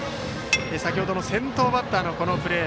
先程の先頭バッターのプレー。